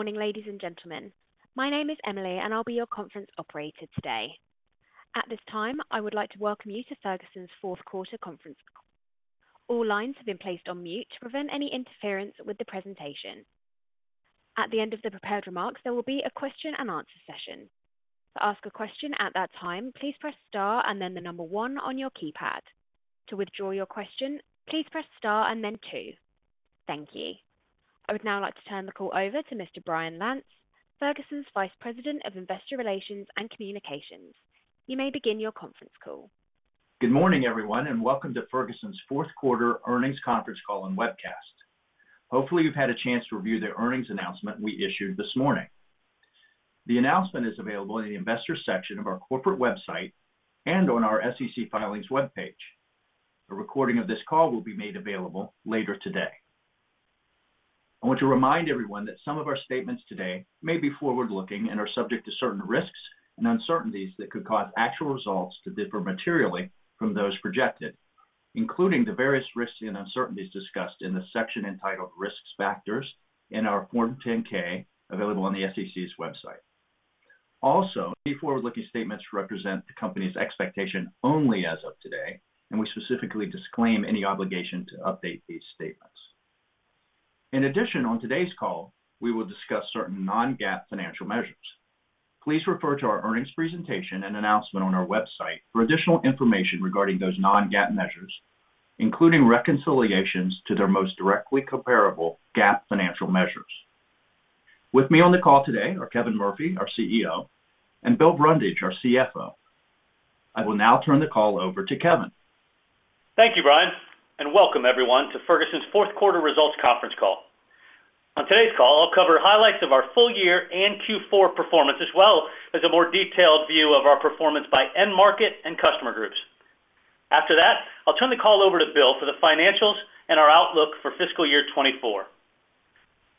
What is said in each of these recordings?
Morning, ladies and gentlemen. My name is Emily, and I'll be your conference operator today. At this time, I would like to welcome you to Ferguson's Q4 conference call. All lines have been placed on mute to prevent any interference with the presentation. At the end of the prepared remarks, there will be a question and answer session. To ask a question at that time, please press Star and then the number one on your keypad. To withdraw your question, please press Star and then two. Thank you. I would now like to turn the call over to Mr. Brian Lantz, Ferguson's Vice President of Investor Relations and Communications. You may begin your conference call. Good morning, everyone, and welcome to Ferguson's Q4 earnings conference call and webcast. Hopefully, you've had a chance to review the earnings announcement we issued this morning. The announcement is available in the investor section of our corporate website and on our SEC Filings webpage. A recording of this call will be made available later today. I want to remind everyone that some of our statements today may be forward-looking and are subject to certain risks and uncertainties that could cause actual results to differ materially from those projected, including the various risks and uncertainties discussed in the section entitled Risk Factors in our Form 10-K, available on the SEC's website. Also, these forward-looking statements represent the company's expectation only as of today, and we specifically disclaim any obligation to update these statements. In addition, on today's call, we will discuss certain non-GAAP financial measures. Please refer to our earnings presentation and announcement on our website for additional information regarding those non-GAAP measures, including reconciliations to their most directly comparable GAAP financial measures. With me on the call today are Kevin Murphy, our CEO, and Bill Brundage, our CFO. I will now turn the call over to Kevin. Thank you, Brian, and welcome everyone, to Ferguson's Q4 results conference call. On today's call, I'll cover highlights of our full year and Q4 performance, as well as a more detailed view of our performance by end market and customer groups. After that, I'll turn the call over to Bill for the financials and our outlook for fiscal year 2024.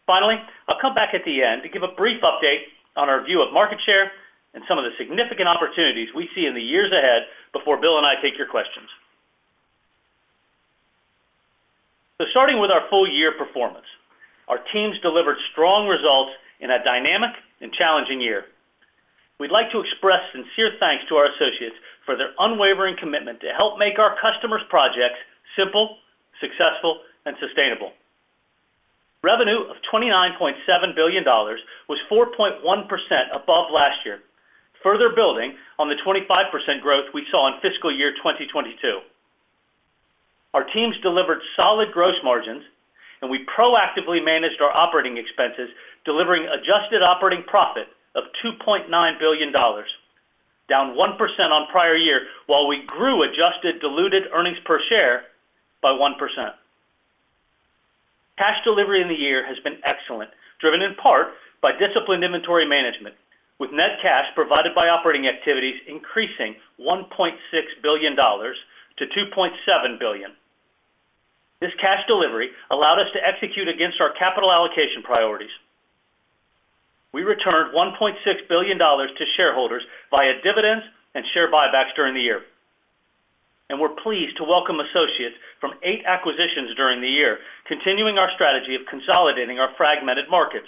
Finally, I'll come back at the end to give a brief update on our view of market share and some of the significant opportunities we see in the years ahead before Bill and I take your questions. So starting with our full year performance, our teams delivered strong results in a dynamic and challenging year. We'd like to express sincere thanks to our associates for their unwavering commitment to help make our customers' projects simple, successful, and sustainable. Revenue of $29.7 billion was 4.1% above last year, further building on the 25% growth we saw in fiscal year 2022. Our teams delivered solid gross margins, and we proactively managed our operating expenses, delivering adjusted operating profit of $2.9 billion, down 1% on prior year, while we grew adjusted diluted earnings per share by 1%. Cash delivery in the year has been excellent, driven in part by disciplined inventory management, with net cash provided by operating activities increasing $1.6 billion to $2.7 billion. This cash delivery allowed us to execute against our capital allocation priorities. We returned $1.6 billion to shareholders via dividends and share buybacks during the year, and we're pleased to welcome associates from 8 acquisitions during the year, continuing our strategy of consolidating our fragmented markets.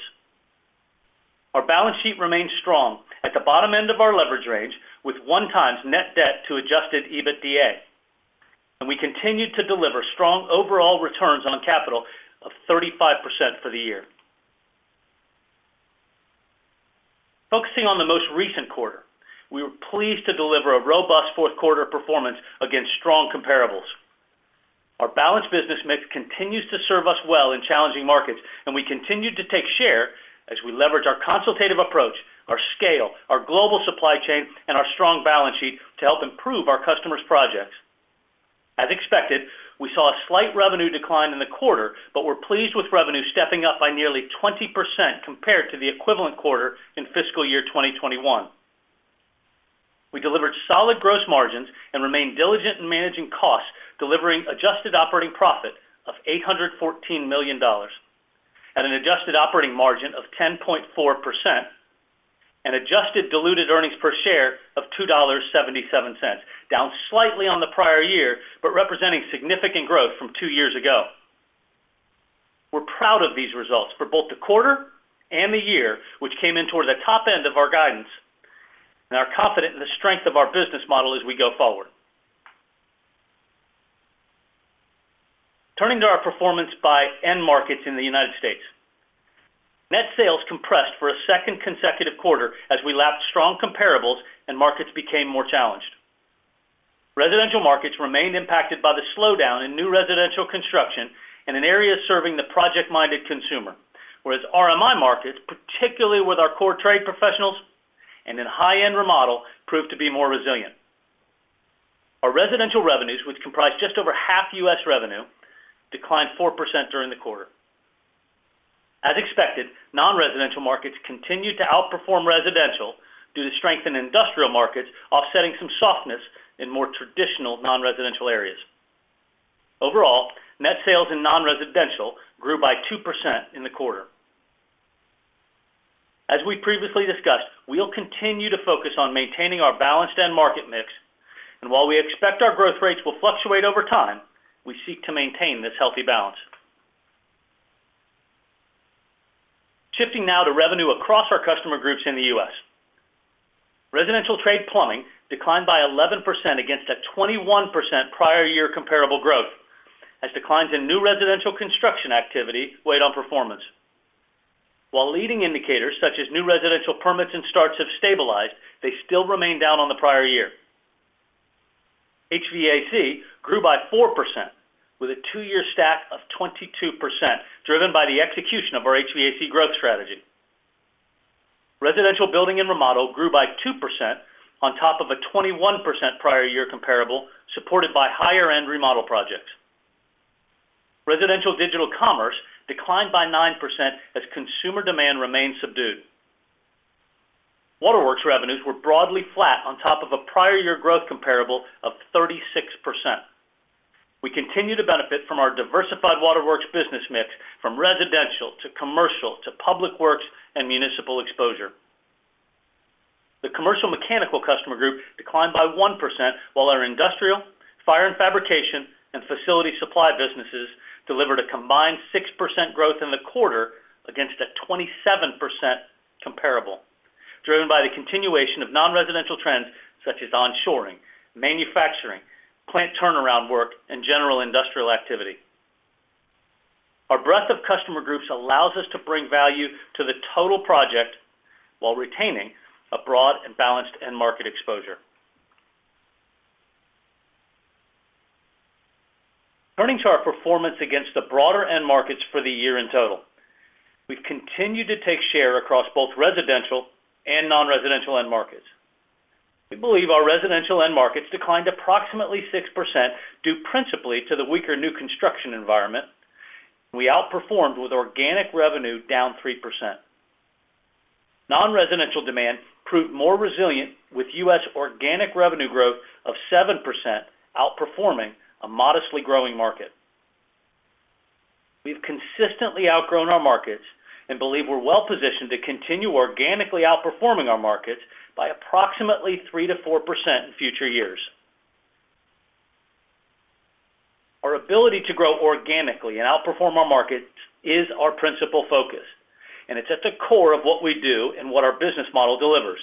Our balance sheet remains strong at the bottom end of our leverage range, with 1x net debt to Adjusted EBITDA, and we continued to deliver strong overall returns on capital of 35% for the year. Focusing on the most recent quarter, we were pleased to deliver a robust Q4 performance against strong comparables. Our balanced business mix continues to serve us well in challenging markets, and we continued to take share as we leverage our consultative approach, our scale, our global supply chain, and our strong balance sheet to help improve our customers' projects. As expected, we saw a slight revenue decline in the quarter, but we're pleased with revenue stepping up by nearly 20% compared to the equivalent quarter in fiscal year 2021. We delivered solid gross margins and remained diligent in managing costs, delivering adjusted operating profit of $814 million at an adjusted operating margin of 10.4% and adjusted diluted earnings per share of $2.77, down slightly on the prior year, but representing significant growth from two years ago. We're proud of these results for both the quarter and the year, which came in toward the top end of our guidance, and are confident in the strength of our business model as we go forward. Turning to our performance by end markets in the United States. Net sales compressed for a second consecutive quarter as we lapped strong comparables and markets became more challenged. Residential markets remained impacted by the slowdown in new residential construction in an area serving the project-minded consumer, whereas RMI markets, particularly with our core trade professionals and in high-end remodel, proved to be more resilient. Our residential revenues, which comprise just over half U.S. revenue, declined 4% during the quarter. As expected, non-residential markets continued to outperform residential due to strength in industrial markets, offsetting some softness in more traditional non-residential areas. Overall, net sales in non-residential grew by 2% in the quarter. As we previously discussed, we'll continue to focus on maintaining our balanced end market mix... and while we expect our growth rates will fluctuate over time, we seek to maintain this healthy balance. Shifting now to revenue across our customer groups in the U.S. Residential Trade Plumbing declined by 11% against a 21% prior year comparable growth, as declines in new residential construction activity weighed on performance. While leading indicators, such as new residential permits and starts, have stabilized, they still remain down on the prior year. HVAC grew by 4% with a two-year stack of 22%, driven by the execution of our HVAC growth strategy. Residential Building and Remodel grew by 2% on top of a 21% prior year comparable, supported by higher end remodel projects. Residential Digital Commerce declined by 9% as consumer demand remained subdued. Waterworks revenues were broadly flat on top of a prior year growth comparable of 36%. We continue to benefit from our diversified waterworks business mix, from residential to commercial to public works and municipal exposure. The Commercial Mechanical customer group declined by 1%, while our Industrial, Fire and Fabrication, and Facilities Supply businesses delivered a combined 6% growth in the quarter against a 27% comparable, driven by the continuation of non-residential trends such as onshoring, manufacturing, plant turnaround work, and general industrial activity. Our breadth of customer groups allows us to bring value to the total project while retaining a broad and balanced end market exposure. Turning to our performance against the broader end markets for the year in total. We've continued to take share across both residential and non-residential end markets. We believe our residential end markets declined approximately 6%, due principally to the weaker new construction environment. We outperformed with organic revenue down 3%. Non-residential demand proved more resilient, with U.S. organic revenue growth of 7%, outperforming a modestly growing market. We've consistently outgrown our markets and believe we're well positioned to continue organically outperforming our markets by approximately 3%-4% in future years. Our ability to grow organically and outperform our markets is our principal focus, and it's at the core of what we do and what our business model delivers.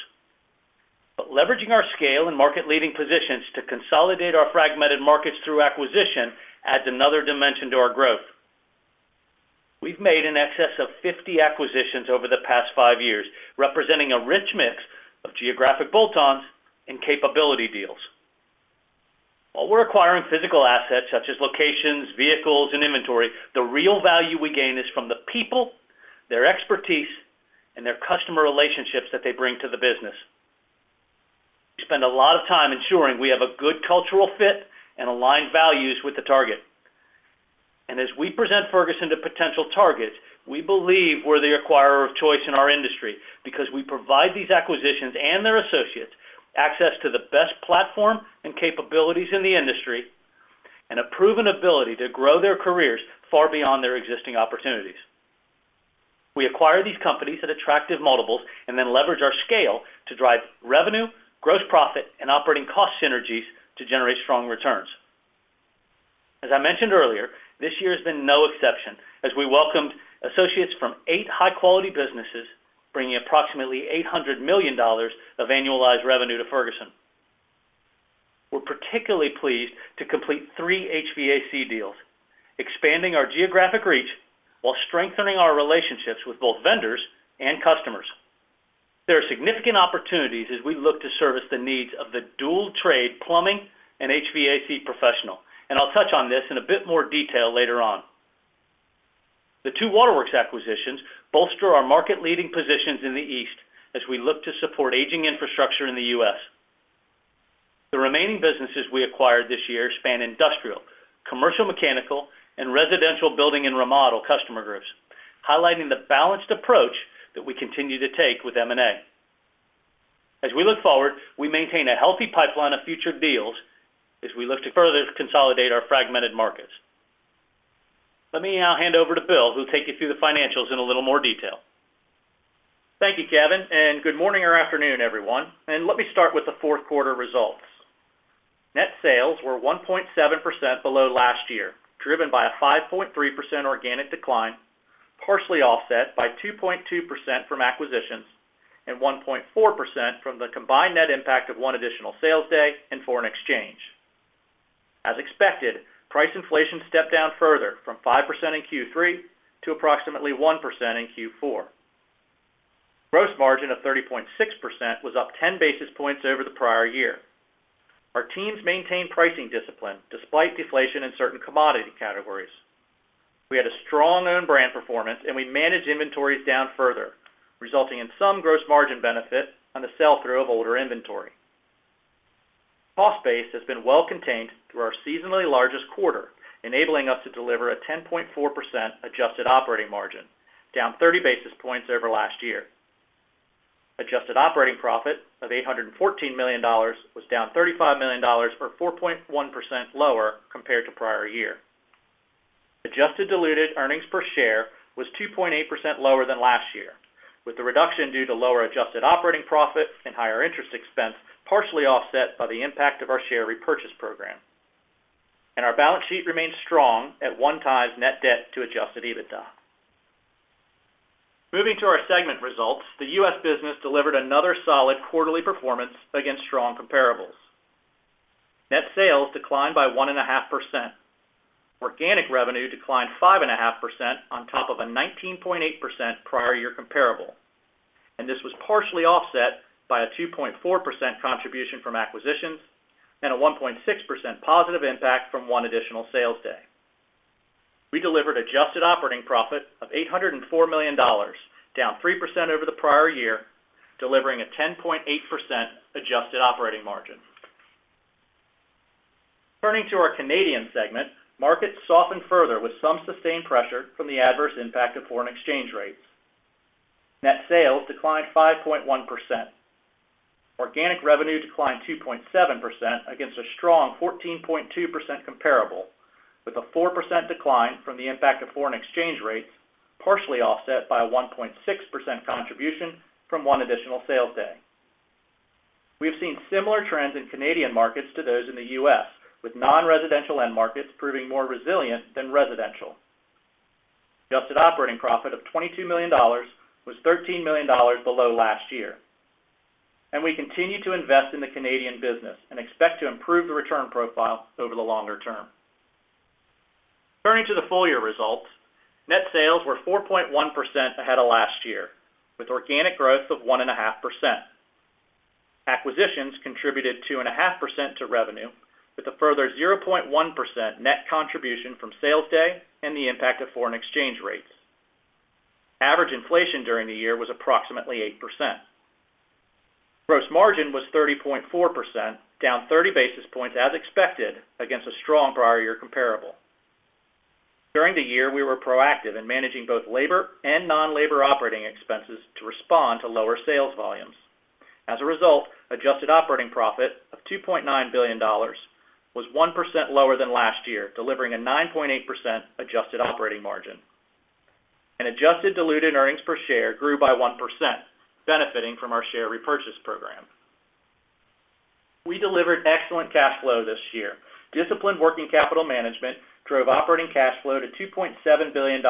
But leveraging our scale and market-leading positions to consolidate our fragmented markets through acquisition adds another dimension to our growth. We've made in excess of 50 acquisitions over the past five years, representing a rich mix of geographic bolt-ons and capability deals. While we're acquiring physical assets such as locations, vehicles, and inventory, the real value we gain is from the people, their expertise, and their customer relationships that they bring to the business. We spend a lot of time ensuring we have a good cultural fit and aligned values with the target. As we present Ferguson to potential targets, we believe we're the acquirer of choice in our industry because we provide these acquisitions and their associates access to the best platform and capabilities in the industry, and a proven ability to grow their careers far beyond their existing opportunities. We acquire these companies at attractive multiples and then leverage our scale to drive revenue, gross profit, and operating cost synergies to generate strong returns. As I mentioned earlier, this year has been no exception as we welcomed associates from eight high-quality businesses, bringing approximately $800 million of annualized revenue to Ferguson. We're particularly pleased to complete three HVAC deals, expanding our geographic reach while strengthening our relationships with both vendors and customers. There are significant opportunities as we look to service the needs of the dual trade, plumbing and HVAC professional, and I'll touch on this in a bit more detail later on. The two waterworks acquisitions bolster our market-leading positions in the East as we look to support aging infrastructure in the U.S. The remaining businesses we acquired this year span industrial, commercial, mechanical, and residential building and remodel customer groups, highlighting the balanced approach that we continue to take with M&A. As we look forward, we maintain a healthy pipeline of future deals as we look to further consolidate our fragmented markets. Let me now hand over to Bill, who'll take you through the financials in a little more detail. Thank you, Kevin, and good morning or afternoon, everyone, and let me start with the Q4 results. Net sales were 1.7% below last year, driven by a 5.3% organic decline, partially offset by 2.2% from acquisitions and 1.4% from the combined net impact of one additional sales day and foreign exchange. As expected, price inflation stepped down further from 5% in Q3 to approximately 1% in Q4. Gross margin of 30.6% was up 10 basis points over the prior year. Our teams maintained pricing discipline despite deflation in certain commodity categories. We had a strong own brand performance, and we managed inventories down further, resulting in some gross margin benefit on the sell-through of older inventory. Cost base has been well contained through our seasonally largest quarter, enabling us to deliver a 10.4% adjusted operating margin, down 30 basis points over last year. Adjusted operating profit of $814 million was down $35 million, or 4.1% lower compared to prior year. Adjusted diluted earnings per share was 2.8% lower than last year, with the reduction due to lower adjusted operating profit and higher interest expense, partially offset by the impact of our share repurchase program. And our balance sheet remains strong at 1x net debt to adjusted EBITDA. Moving to our segment results, the U.S. business delivered another solid quarterly performance against strong comparables. Net sales declined by 1.5%. Organic revenue declined 5.5% on top of a 19.8% prior year comparable, and this was partially offset by a 2.4% contribution from acquisitions and a 1.6% positive impact from one additional sales day. We delivered Adjusted Operating Profit of $804 million, down 3% over the prior year, delivering a 10.8% Adjusted Operating Margin. Turning to our Canadian segment, markets softened further with some sustained pressure from the adverse impact of foreign exchange rates. Net sales declined 5.1%. Organic revenue declined 2.7% against a strong 14.2% comparable, with a 4% decline from the impact of foreign exchange rates, partially offset by a 1.6% contribution from one additional sales day. We have seen similar trends in Canadian markets to those in the U.S., with non-residential end markets proving more resilient than residential. Adjusted Operating Profit of $22 million was $13 million below last year, and we continue to invest in the Canadian business and expect to improve the return profile over the longer term. Turning to the full year results, net sales were 4.1% ahead of last year, with Organic Growth of 1.5%. Acquisitions contributed 2.5% to revenue, with a further 0.1% net contribution from Sales Day and the impact of foreign exchange rates. Average inflation during the year was approximately 8%. Gross margin was 30.4%, down 30 basis points as expected, against a strong prior year comparable. During the year, we were proactive in managing both labor and non-labor operating expenses to respond to lower sales volumes. As a result, Adjusted Operating Profit of $2.9 billion was 1% lower than last year, delivering a 9.8% Adjusted Operating Margin. Adjusted Diluted EPS grew by 1%, benefiting from our share repurchase program. We delivered excellent cash flow this year. Disciplined working capital management drove operating cash flow to $2.7 billion,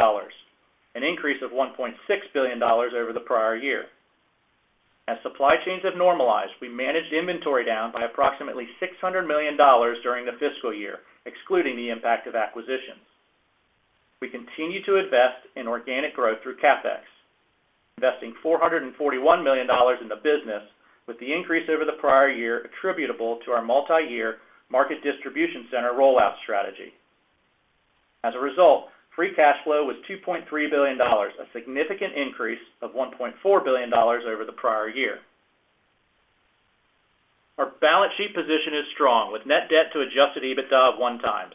an increase of $1.6 billion over the prior year. As supply chains have normalized, we managed inventory down by approximately $600 million during the fiscal year, excluding the impact of acquisitions. We continue to invest in organic growth through CapEx, investing $441 million in the business, with the increase over the prior year attributable to our multi-year Market Distribution Center rollout strategy. As a result, Free Cash Flow was $2.3 billion, a significant increase of $1.4 billion over the prior year. Our balance sheet position is strong, with net debt to Adjusted EBITDA of 1x.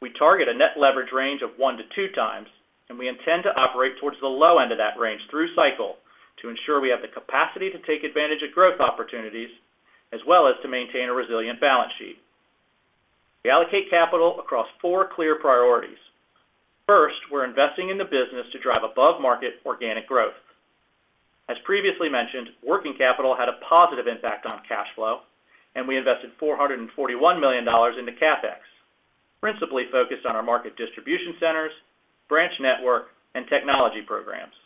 We target a net leverage range of 1x-2x, and we intend to operate towards the low end of that range through cycle to ensure we have the capacity to take advantage of growth opportunities, as well as to maintain a resilient balance sheet. We allocate capital across four clear priorities. First, we're investing in the business to drive above-market organic growth. As previously mentioned, working capital had a positive impact on cash flow, and we invested $441 million into CapEx, principally focused on our market distribution centers, branch network, and technology programs.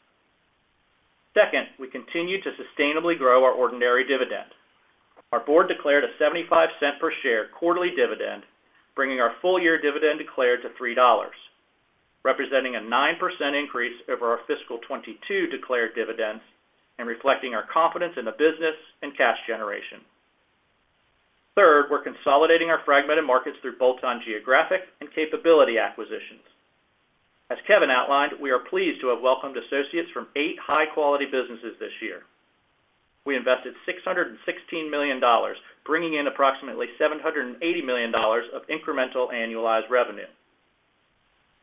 Second, we continue to sustainably grow our ordinary dividend. Our board declared a $0.75 per share quarterly dividend, bringing our full-year dividend declared to $3, representing a 9% increase over our fiscal 2022 declared dividends and reflecting our confidence in the business and cash generation. Third, we're consolidating our fragmented markets through bolt-on geographic and capability acquisitions. As Kevin outlined, we are pleased to have welcomed associates from 8 high-quality businesses this year. We invested $616 million, bringing in approximately $780 million of incremental annualized revenue.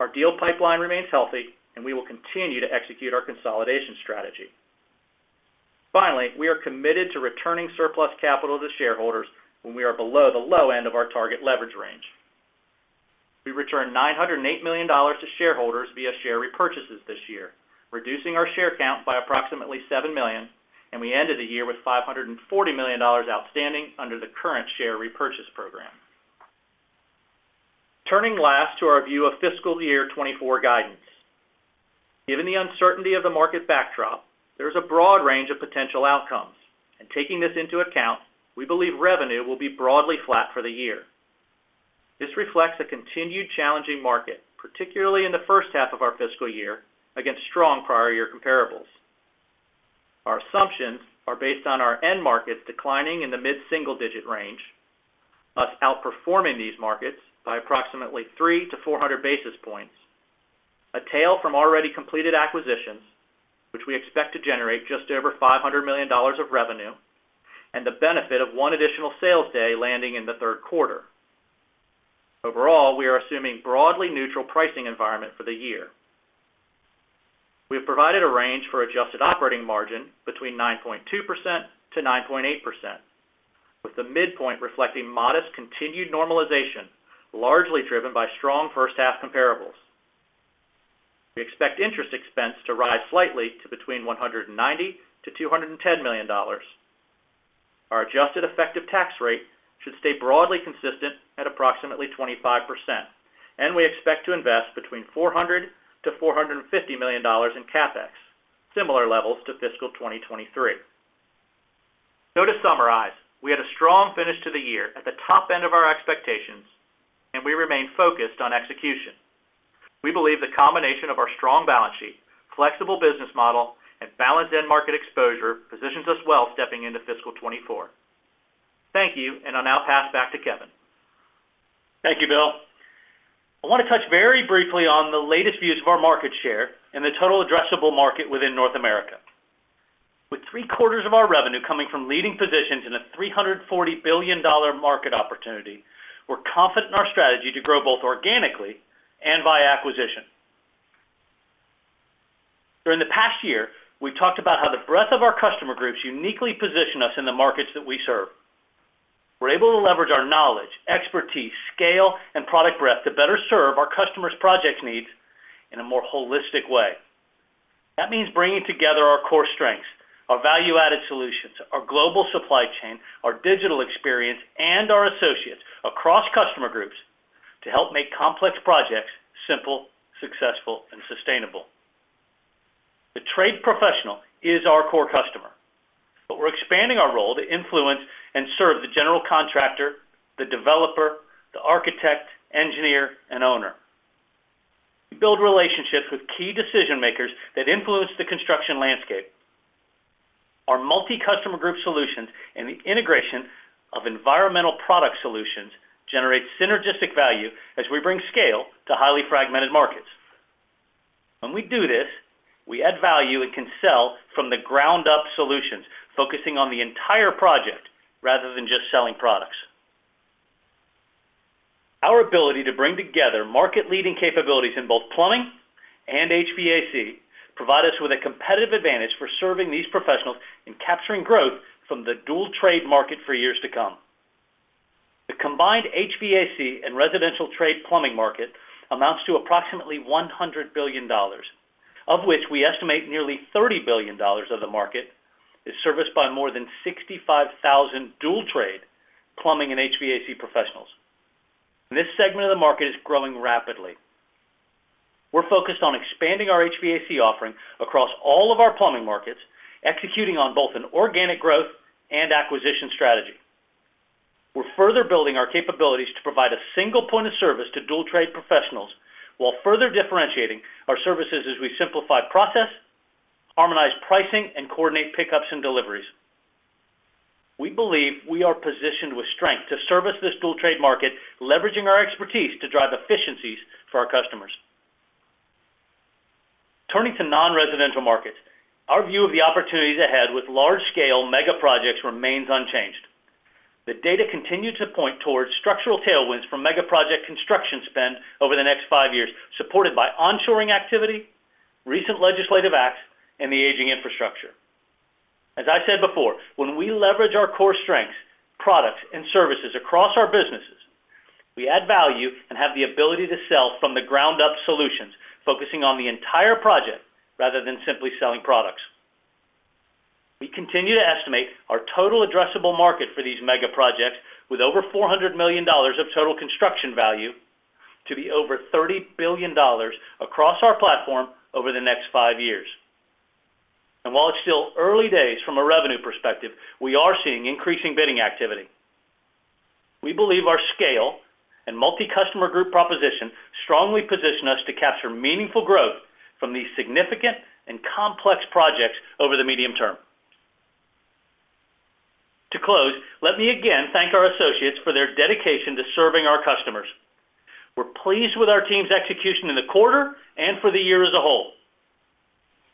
Our deal pipeline remains healthy, and we will continue to execute our consolidation strategy. Finally, we are committed to returning surplus capital to shareholders when we are below the low end of our target leverage range. We returned $908 million to shareholders via share repurchases this year, reducing our share count by approximately 7 million, and we ended the year with $540 million outstanding under the current share repurchase program. Turning last to our view of fiscal year 2024 guidance. Given the uncertainty of the market backdrop, there's a broad range of potential outcomes, and taking this into account, we believe revenue will be broadly flat for the year. This reflects a continued challenging market, particularly in the first half of our fiscal year, against strong prior year comparables. Our assumptions are based on our end markets declining in the mid-single-digit range, us outperforming these markets by approximately 300-400 basis points, a tail from already completed acquisitions, which we expect to generate just over $500 million of revenue, and the benefit of one additional sales day landing in the Q3. Overall, we are assuming broadly neutral pricing environment for the year.... We have provided a range for adjusted operating margin between 9.2%-9.8%, with the midpoint reflecting modest continued normalization, largely driven by strong first half comparables. We expect interest expense to rise slightly to between $190-$210 million. Our adjusted effective tax rate should stay broadly consistent at approximately 25%, and we expect to invest between $400 million-$450 million in CapEx, similar levels to fiscal 2023. To summarize, we had a strong finish to the year at the top end of our expectations, and we remain focused on execution. We believe the combination of our strong balance sheet, flexible business model, and balanced end market exposure positions us well stepping into fiscal 2024. Thank you, and I'll now pass back to Kevin. Thank you, Bill. I want to touch very briefly on the latest views of our market share and the total addressable market within North America. With three-quarters of our revenue coming from leading positions in a $340 billion market opportunity, we're confident in our strategy to grow both organically and by acquisition. During the past year, we've talked about how the breadth of our customer groups uniquely position us in the markets that we serve. We're able to leverage our knowledge, expertise, scale, and product breadth to better serve our customers' project needs in a more holistic way. That means bringing together our core strengths, our value-added solutions, our global supply chain, our digital experience, and our associates across customer groups to help make complex projects simple, successful, and sustainable. The trade professional is our core customer, but we're expanding our role to influence and serve the general contractor, the developer, the architect, engineer, and owner. We build relationships with key decision-makers that influence the construction landscape. Our multi-customer group solutions and the integration of environmental product solutions generate synergistic value as we bring scale to highly fragmented markets. When we do this, we add value and can sell from the ground up solutions, focusing on the entire project rather than just selling products. Our ability to bring together market-leading capabilities in both plumbing and HVAC provide us with a competitive advantage for serving these professionals in capturing growth from the dual trade market for years to come. The combined HVAC and residential trade plumbing market amounts to approximately $100 billion, of which we estimate nearly $30 billion of the market is serviced by more than 65,000 dual trade, plumbing and HVAC professionals. This segment of the market is growing rapidly. We're focused on expanding our HVAC offering across all of our plumbing markets, executing on both an organic growth and acquisition strategy. We're further building our capabilities to provide a single point of service to dual trade professionals, while further differentiating our services as we simplify process, harmonize pricing, and coordinate pickups and deliveries. We believe we are positioned with strength to service this dual trade market, leveraging our expertise to drive efficiencies for our customers. Turning to non-residential markets, our view of the opportunities ahead with large-scale mega projects remains unchanged. The data continue to point towards structural tailwinds from mega project construction spend over the next five years, supported by onshoring activity, recent legislative acts, and the aging infrastructure. As I said before, when we leverage our core strengths, products, and services across our businesses, we add value and have the ability to sell from the ground up solutions, focusing on the entire project rather than simply selling products. We continue to estimate our total addressable market for these mega projects with over $400 million of total construction value to be over $30 billion across our platform over the next five years. And while it's still early days from a revenue perspective, we are seeing increasing bidding activity. We believe our scale and multi-customer group proposition strongly position us to capture meaningful growth from these significant and complex projects over the medium term. To close, let me again thank our associates for their dedication to serving our customers. We're pleased with our team's execution in the quarter and for the year as a whole.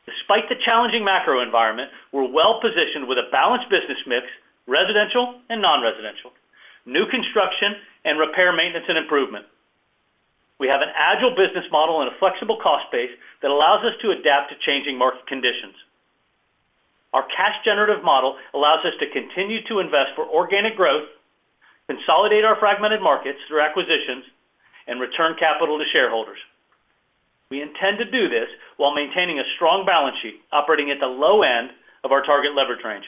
Despite the challenging macro environment, we're well positioned with a balanced business mix, residential and non-residential, new construction, and repair, maintenance, and improvement. We have an agile business model and a flexible cost base that allows us to adapt to changing market conditions. Our cash generative model allows us to continue to invest for organic growth, consolidate our fragmented markets through acquisitions, and return capital to shareholders. We intend to do this while maintaining a strong balance sheet, operating at the low end of our target leverage range.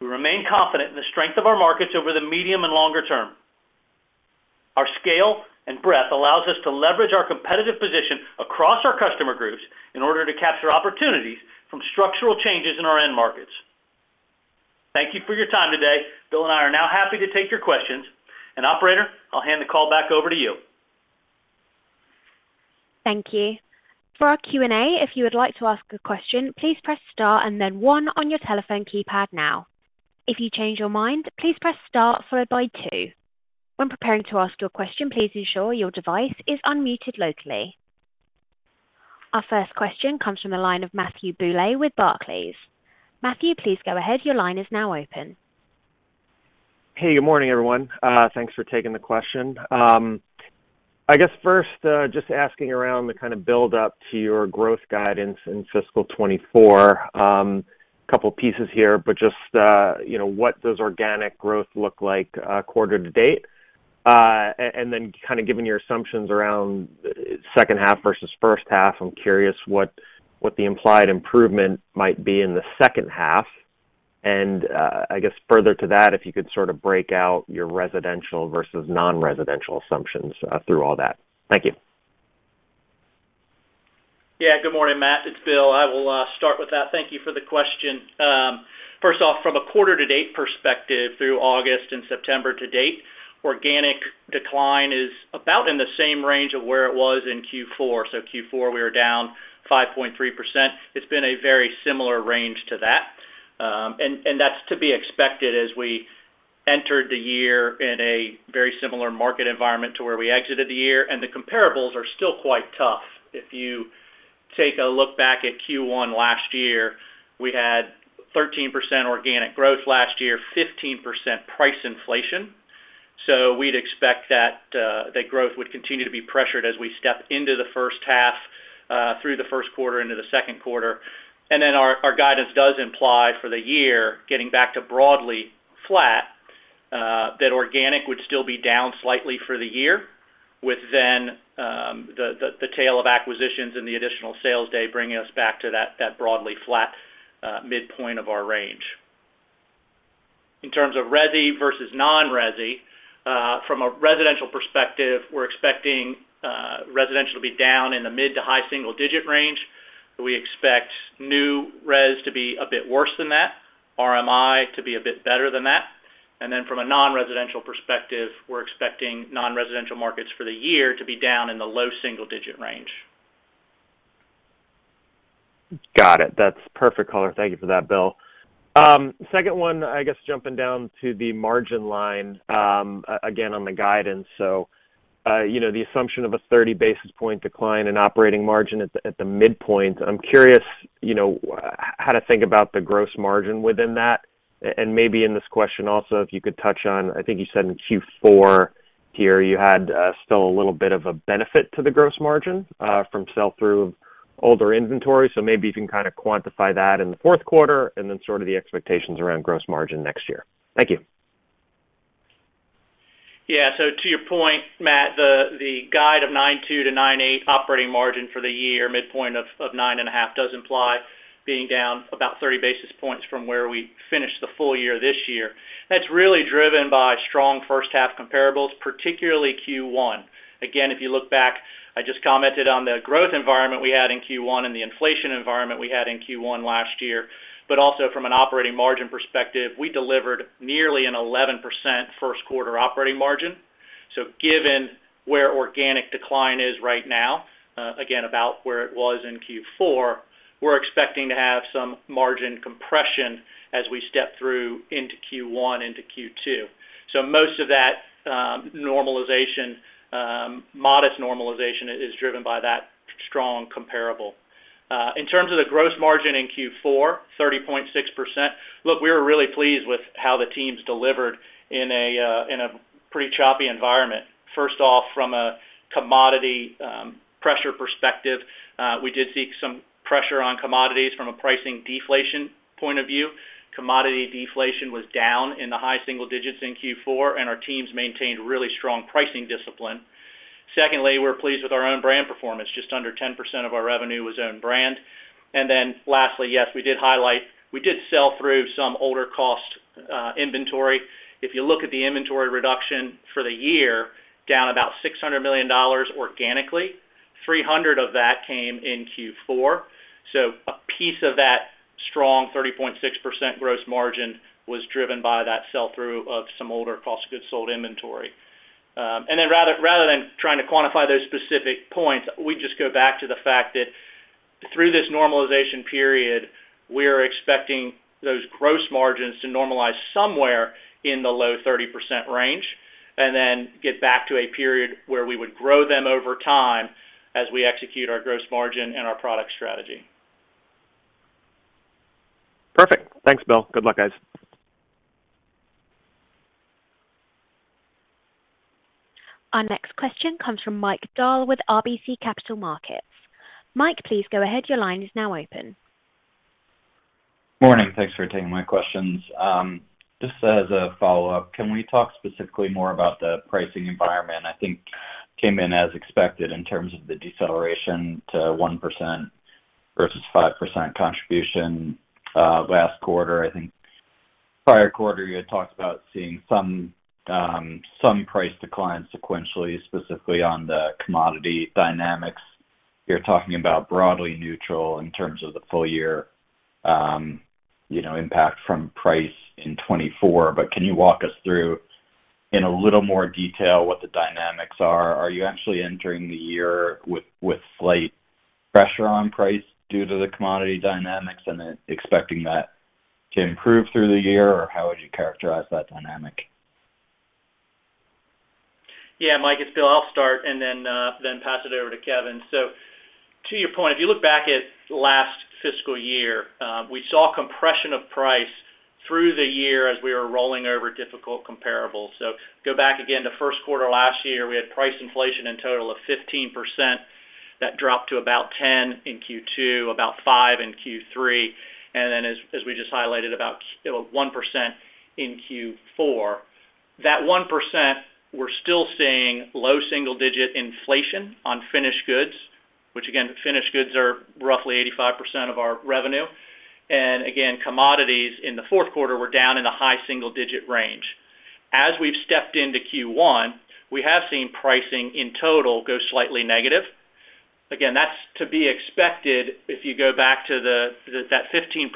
We remain confident in the strength of our markets over the medium and longer term. Our scale and breadth allows us to leverage our competitive position across our customer groups in order to capture opportunities from structural changes in our end markets. Thank you for your time today. Bill and I are now happy to take your questions, and, Operator, I'll hand the call back over to you. Thank you. For our Q&A, if you would like to ask a question, please press Star and then one on your telephone keypad now. If you change your mind, please press Star followed by two. When preparing to ask your question, please ensure your device is unmuted locally. Our first question comes from the line of Matthew Bouley with Barclays. Matthew, please go ahead. Your line is now open. Hey, good morning, everyone. Thanks for taking the question. I guess first, just asking around the kind of build up to your growth guidance in fiscal 2024. And then kind of given your assumptions around H2 versus H1, I'm curious what the implied improvement might be in the H2. And, I guess further to that, if you could sort of break out your residential versus non-residential assumptions through all that. Thank you. Yeah. Good morning, Matt. It's Bill. I will start with that. Thank you for the question. First off, from a quarter to date perspective, through August and September to date, organic decline is about in the same range of where it was in Q4. So Q4, we were down 5.3%. It's been a very similar range to that. And that's to be expected as we entered the year in a very similar market environment to where we exited the year, and the compareables are still quite tough. If you take a look back at Q1 last year, we had 13% organic growth last year, 15% price inflation. So we'd expect that growth would continue to be pressured as we step into the H1, through the Q1 into the Q2. Then our guidance does imply for the year, getting back to broadly flat, that organic would still be down slightly for the year, with then the tail of acquisitions and the additional sales day bringing us back to that broadly flat midpoint of our range. In terms of resi versus non-resi, from a residential perspective, we're expecting residential to be down in the mid to high single digit range. We expect new res to be a bit worse than that, RMI to be a bit better than that. Then from a non-residential perspective, we're expecting non-residential markets for the year to be down in the low single digit range. Got it. That's perfect color. Thank you for that, Bill. Second one, I guess, jumping down to the margin line, again, on the guidance. So, you know, the assumption of a 30 basis points decline in operating margin at the, at the midpoint, I'm curious, you know, how to think about the gross margin within that. And maybe in this question, also, if you could touch on, I think you said in Q4 here, you had, still a little bit of a benefit to the gross margin, from sell-through of older inventory. So maybe you can kind of quantify that in the Q4 and then sort of the expectations around gross margin next year. Thank you. Yeah. So to your point, Matt, the guide of 9.2%-9.8% operating margin for the year, midpoint of 9.5, does imply being down about 30 basis points from where we finished the full year this year. That's really driven by strong H1 compareables, particularly Q1. Again, if you look back, I just commented on the growth environment we had in Q1 and the inflation environment we had in Q1 last year, but also from an operating margin perspective, we delivered nearly an 11% Q1 operating margin. So given where organic decline is right now, again, about where it was in Q4, we're expecting to have some margin compression as we step through into Q1, into Q2. So most of that, normalization, modest normalization is driven by that strong comparable. In terms of the gross margin in Q4, 30.6%, look, we were really pleased with how the teams delivered in a pretty choppy environment. First off, from a commodity pressure perspective, we did see some pressure on commodities from a pricing deflation point of view. Commodity deflation was down in the high single digits in Q4, and our teams maintained really strong pricing discipline. Secondly, we're pleased with our Own Brand performance. Just under 10% of our revenue was Own Brand. And then lastly, yes, we did highlight. We did sell through some older cost inventory. If you look at the inventory reduction for the year, down about $600 million organically, 300 of that came in Q4. So a piece of that strong 30.6% gross margin was driven by that sell-through of some older cost of goods sold inventory. And then rather than trying to quantify those specific points, we just go back to the fact that through this normalization period, we are expecting those gross margins to normalize somewhere in the low 30% range and then get back to a period where we would grow them over time as we execute our gross margin and our product strategy. Perfect. Thanks, Bill. Good luck, guys. Our next question comes from Mike Dahl with RBC Capital Markets. Mike, please go ahead. Your line is now open. Morning. Thanks for taking my questions. Just as a follow-up, can we talk specifically more about the pricing environment? I think came in as expected in terms of the deceleration to 1% versus 5% contribution last quarter. I think prior quarter, you had talked about seeing some some price declines sequentially, specifically on the commodity dynamics. You're talking about broadly neutral in terms of the full year, you know, impact from price in 2024. But can you walk us through, in a little more detail, what the dynamics are? Are you actually entering the year with slight pressure on price due to the commodity dynamics and then expecting that to improve through the year, or how would you characterize that dynamic? Yeah, Mike, it's Bill. I'll start and then pass it over to Kevin. So to your point, if you look back at last fiscal year, we saw compression of price through the year as we were rolling over difficult compareables. So go back again to first quarter last year, we had price inflation in total of 15%. That dropped to about 10 in Q2, about five in Q3, and then as we just highlighted, about 1% in Q4. That 1%, we're still seeing low single digit inflation on finished goods, which again, finished goods are roughly 85% of our revenue. And again, commodities in the fourth quarter were down in the high single digit range. As we've stepped into Q1, we have seen pricing in total go slightly negative. Again, that's to be expected if you go back to that 15%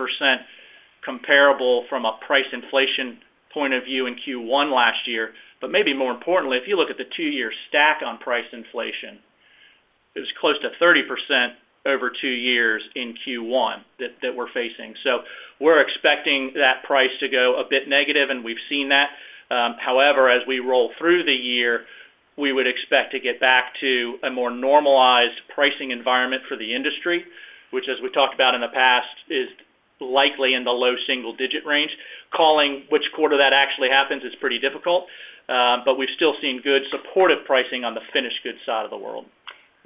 comparable from a price inflation point of view in Q1 last year. But maybe more importantly, if you look at the two-year stack on price inflation, it was close to 30% over two years in Q1 that we're facing. So we're expecting that price to go a bit negative, and we've seen that. However, as we roll through the year, we would expect to get back to a more normalized pricing environment for the industry, which, as we talked about in the past, is likely in the low single digit range. Calling which quarter that actually happens is pretty difficult, but we've still seen good supportive pricing on the finished goods side of the world.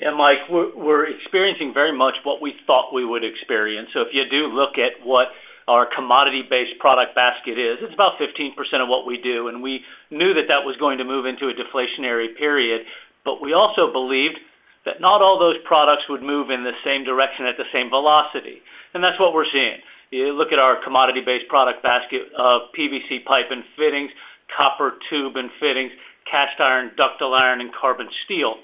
Mike, we're, we're experiencing very much what we thought we would experience. So if you do look at what our commodity-based product basket is, it's about 15% of what we do, and we knew that that was going to move into a deflationary period. But we also believed that not all those products would move in the same direction at the same velocity. And that's what we're seeing. You look at our commodity-based product basket of PVC pipe and fittings, copper tube and fittings, cast iron, ductile iron, and carbon steel.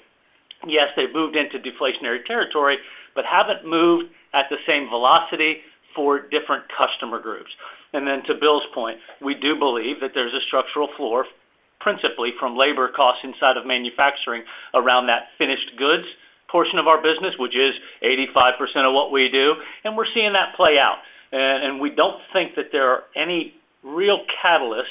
Yes, they've moved into deflationary territory, but haven't moved at the same velocity for different customer groups. And then to Bill's point, we do believe that there's a structural floor, principally from labor costs inside of manufacturing, around that finished goods portion of our business, which is 85% of what we do, and we're seeing that play out. And we don't think that there are any real catalysts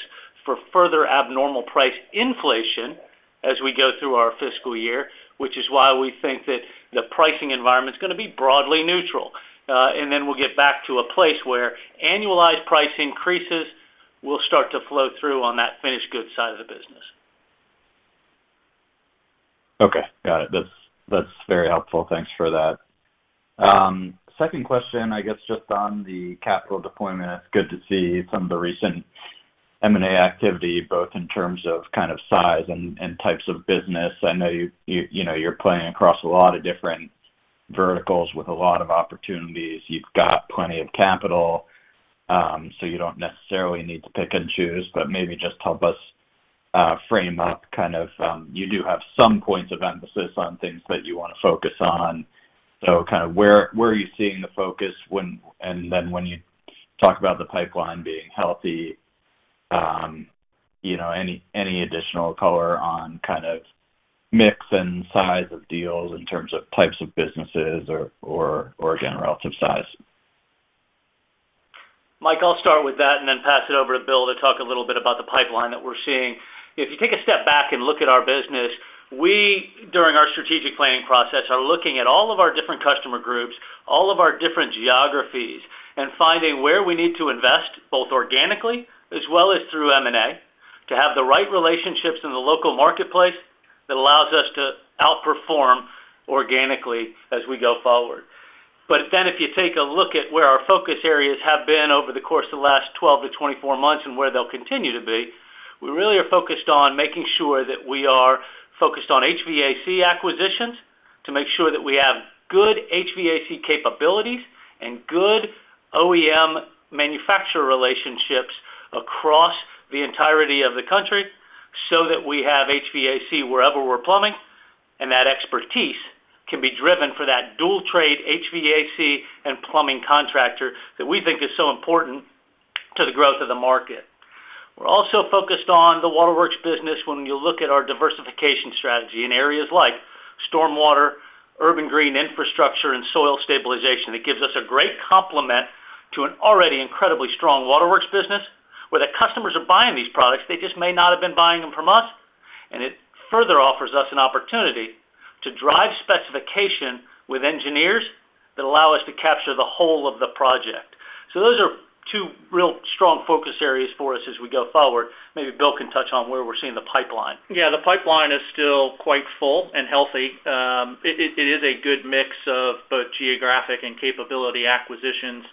for further abnormal price inflation as we go through our fiscal year, which is why we think that the pricing environment is going to be broadly neutral. And then we'll get back to a place where annualized price increases will start to flow through on that finished goods side of the business. Okay, got it. That's, that's very helpful. Thanks for that. Second question, I guess, just on the capital deployment. It's good to see some of the recent M&A activity, both in terms of kind of size and, and types of business. I know you, you, you know, you're playing across a lot of different verticals with a lot of opportunities. You've got plenty of capital, so you don't necessarily need to pick and choose, but maybe just help us, frame up kind of, you do have some points of emphasis on things that you want to focus on. So kind of where, where are you seeing the focus and then when you talk about the pipeline being healthy, you know, any additional color on kind of mix and size of deals in terms of types of businesses or, again, relative size? Mike, I'll start with that and then pass it over to Bill to talk a little bit about the pipeline that we're seeing. If you take a step back and look at our business, we, during our strategic planning process, are looking at all of our different customer groups, all of our different geographies, and finding where we need to invest, both organically as well as through M&A, to have the right relationships in the local marketplace that allows us to outperform organically as we go forward. But then if you take a look at where our focus areas have been over the course of the last 12-24 months and where they'll continue to be, we really are focused on making sure that we are focused on HVAC acquisitions, to make sure that we have good HVAC capabilities and good OEM manufacturer relationships across the entirety of the country, so that we have HVAC wherever we're plumbing, and that expertise can be driven for that dual trade, HVAC, and plumbing contractor that we think is so important to the growth of the market. We're also focused on the waterworks business when you look at our diversification strategy in areas like storm water, urban green infrastructure, and soil stabilization. It gives us a great complement to an already incredibly strong Waterworks business, where the customers are buying these products. They just may not have been buying them from us. It further offers us an opportunity to drive specification with engineers that allow us to capture the whole of the project. Those are two real strong focus areas for us as we go forward. Maybe Bill can touch on where we're seeing the pipeline. Yeah, the pipeline is still quite full and healthy. It is a good mix of both geographic and capability acquisitions,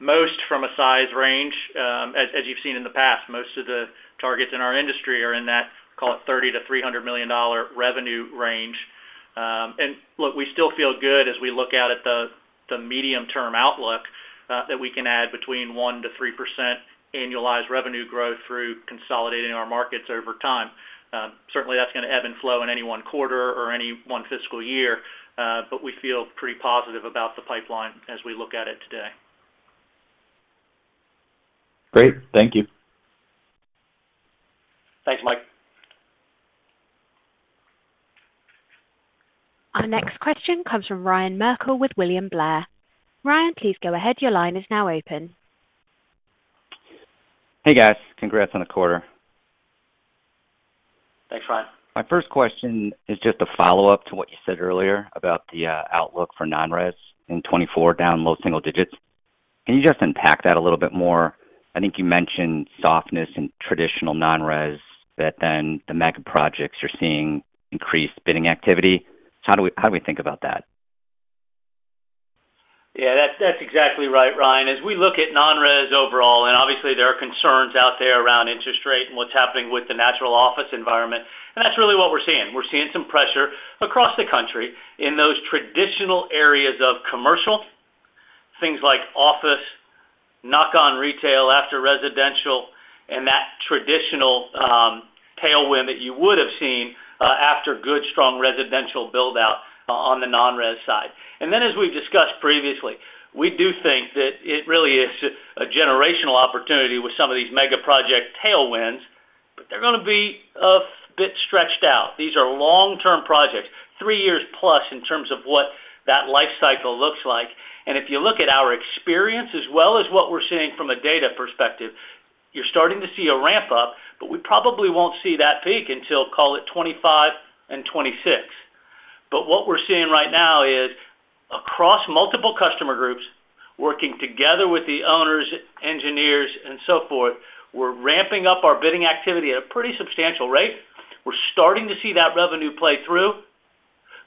most from a size range. As you've seen in the past, most of the targets in our industry are in that, call it $30 million-$300 million revenue range. And look, we still feel good as we look out at the medium-term outlook, that we can add between 1%-3% annualized revenue growth through consolidating our markets over time. Certainly, that's going to ebb and flow in any one quarter or any one fiscal year, but we feel pretty positive about the pipeline as we look at it today. Great. Thank you. Thanks, Mike. Our next question comes from Ryan Merkel with William Blair. Ryan, please go ahead. Your line is now open. Hey, guys, congrats on the quarter. Thanks, Ryan. My first question is just a follow-up to what you said earlier about the outlook for non-res in 2024, down low single digits. Can you just unpack that a little bit more? I think you mentioned softness in traditional non-res, but then the mega projects, you're seeing increased bidding activity. How do we, how do we think about that? Yeah, that's, that's exactly right, Ryan. As we look at non-res overall, and obviously there are concerns out there around interest rate and what's happening with the natural office environment, and that's really what we're seeing. We're seeing some pressure across the country in those traditional areas of commercial, things like office, knock on retail after residential, and that traditional tailwind that you would have seen after good, strong residential build-out on the non-res side. And then, as we've discussed previously, we do think that it really is a generational opportunity with some of these mega project tailwinds, but they're gonna be a bit stretched out. These are long-term projects, three years plus, in terms of what that life cycle looks like. If you look at our experience, as well as what we're seeing from a data perspective, you're starting to see a ramp up, but we probably won't see that peak until, call it, 2025 and 2026. But what we're seeing right now is, across multiple customer groups, working together with the owners, engineers, and so forth, we're ramping up our bidding activity at a pretty substantial rate. We're starting to see that revenue play through,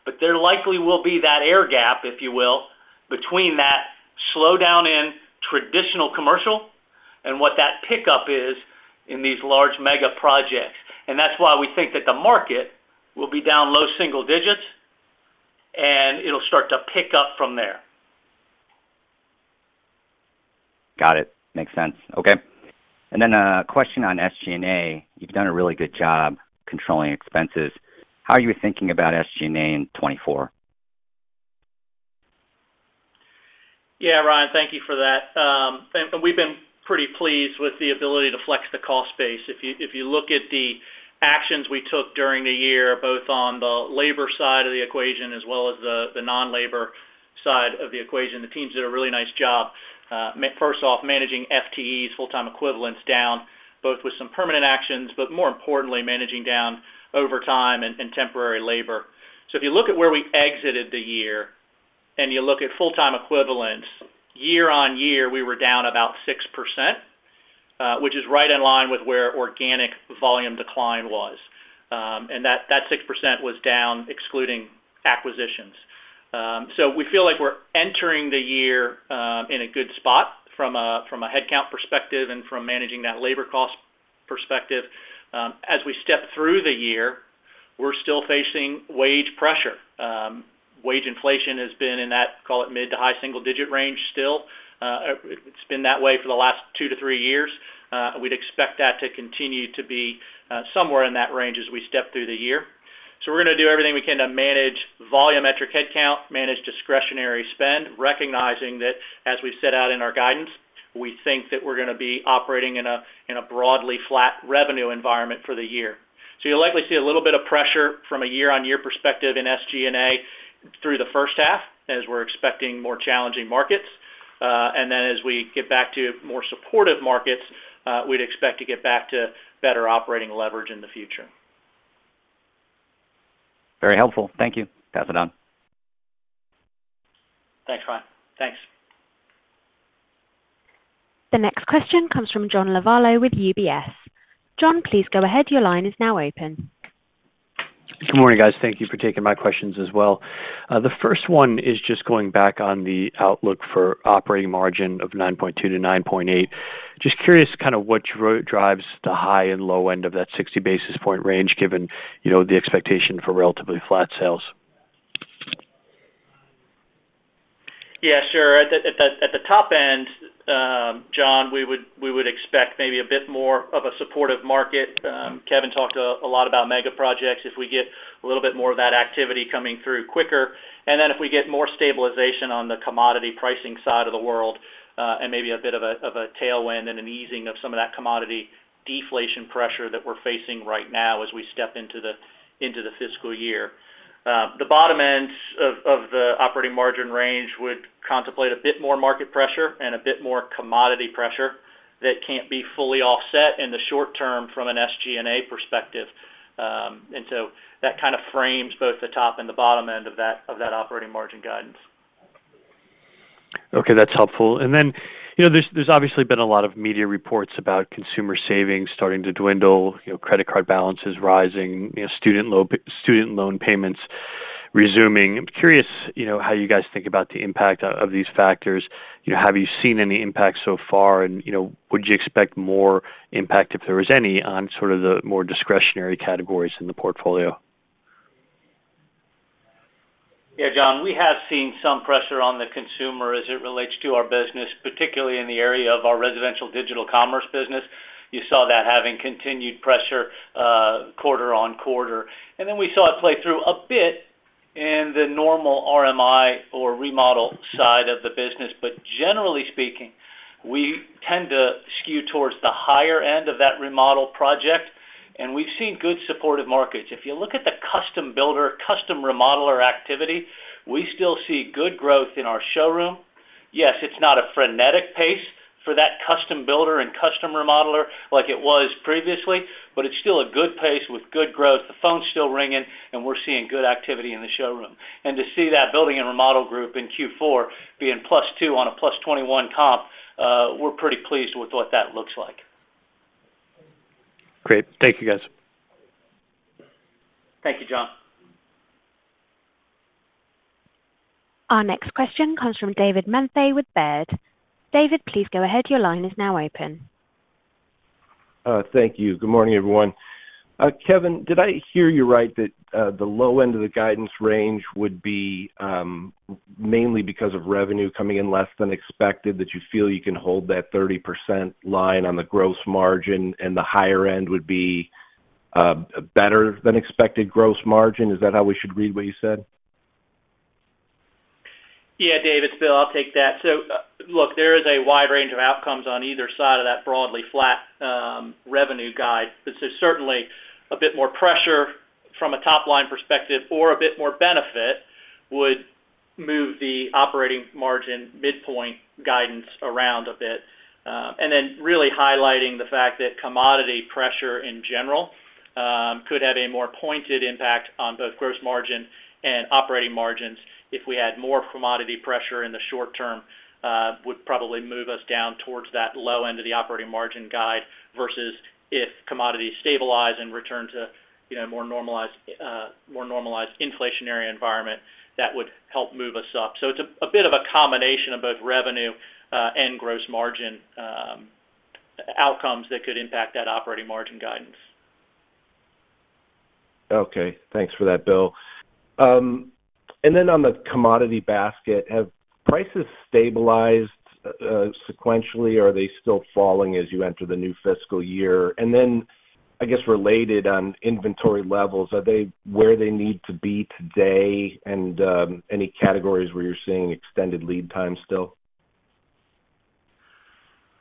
but there likely will be that air gap, if you will, between that slowdown in traditional commercial and what that pickup is in these large mega projects. And that's why we think that the market will be down low single digits, and it'll start to pick up from there. Got it. Makes sense. Okay. Then a question on SG&A. You've done a really good job controlling expenses. How are you thinking about SG&A in 2024? Yeah, Ryan, thank you for that. And, and we've been pretty pleased with the ability to flex the cost base. If you, if you look at the actions we took during the year, both on the labor side of the equation as well as the, the non-labor side of the equation, the teams did a really nice job, first off, managing FTEs, full-time equivalents, down, both with some permanent actions, but more importantly, managing down overtime and, and temporary labor. So if you look at where we exited the year, and you look at full-time equivalents, year-on-year, we were down about 6%, which is right in line with where organic volume decline was. And that, that 6% was down, excluding acquisitions. So we feel like we're entering the year in a good spot from a, from a headcount perspective and from managing that labor cost perspective. As we step through the year, we're still facing wage pressure. Wage inflation has been in that, call it, mid to high single digit range still. It, it's been that way for the last 2-3 years. We'd expect that to continue to be somewhere in that range as we step through the year. So we're gonna do everything we can to manage volumetric headcount, manage discretionary spend, recognizing that, as we've set out in our guidance, we think that we're gonna be operating in a, in a broadly flat revenue environment for the year. So you'll likely see a little bit of pressure from a year-on-year perspective in SG&A through the first half, as we're expecting more challenging markets. And then as we get back to more supportive markets, we'd expect to get back to better operating leverage in the future. Very helpful. Thank you. Pass it on. Thanks, Ryan. Thanks. The next question comes from John Lovallo with UBS. John, please go ahead. Your line is now open. Good morning, guys. Thank you for taking my questions as well. The first one is just going back on the outlook for operating margin of 9.2%-9.8%. Just curious kind of what drives the high and low end of that 60 basis point range, given, you know, the expectation for relatively flat sales? Yeah, sure. At the top end, John, we would expect maybe a bit more of a supportive market. Kevin talked a lot about mega projects. If we get a little bit more of that activity coming through quicker, and then if we get more stabilization on the commodity pricing side of the world, and maybe a bit of a tailwind and an easing of some of that commodity deflation pressure that we're facing right now as we step into the fiscal year. The bottom end of the operating margin range would contemplate a bit more market pressure and a bit more commodity pressure that can't be fully offset in the short term from an SG&A perspective and so that kind of frames both the top and the bottom end of that, of that operating margin guidance. Okay, that's helpful. And then, you know, there's obviously been a lot of media reports about consumer savings starting to dwindle, you know, credit card balances rising, you know, student loan payments resuming. I'm curious, you know, how you guys think about the impact of these factors. You know, have you seen any impact so far, and, you know, would you expect more impact, if there was any, on sort of the more discretionary categories in the portfolio? Yeah, John, we have seen some pressure on the consumer as it relates to our business, particularly in the area of our residential digital commerce business. You saw that having continued pressure, quarter on quarter, and then we saw it play through a bit in the normal RMI or remodel side of the business. But generally speaking, we tend to skew towards the higher end of that remodel project. and we've seen good supportive markets. If you look at the custom builder, custom remodeler activity, we still see good growth in our showroom. Yes, it's not a frenetic pace for that custom builder and custom remodeler like it was previously, but it's still a good pace with good growth. The phone's still ringing, and we're seeing good activity in the showroom. And to see that building and remodel group in Q4 being +2 on a +21 comp, we're pretty pleased with what that looks like. Great. Thank you, guys. Thank you, John. Our next question comes from David Manthey with Baird. David, please go ahead. Your line is now open. Thank you. Good morning, everyone. Kevin, did I hear you right, that the low end of the guidance range would be mainly because of revenue coming in less than expected, that you feel you can hold that 30% line on the gross margin, and the higher end would be better than expected gross margin? Is that how we should read what you said? Yeah, David, it's Bill. I'll take that. So, look, there is a wide range of outcomes on either side of that broadly flat revenue guide. This is certainly a bit more pressure from a top-line perspective, or a bit more benefit, would move the operating margin midpoint guidance around a bit. And then really highlighting the fact that commodity pressure in general could have a more pointed impact on both gross margin and operating margins. If we had more commodity pressure in the short term, would probably move us down towards that low end of the operating margin guide, versus if commodities stabilize and return to, you know, more normalized, more normalized inflationary environment, that would help move us up. So it's a, a bit of a combination of both revenue and gross margin outcomes that could impact that operating margin guidance. Okay. Thanks for that, Bill. And then on the commodity basket, have prices stabilized, sequentially, or are they still falling as you enter the new fiscal year? And then, I guess, related on inventory levels, are they where they need to be today? And, any categories where you're seeing extended lead times still?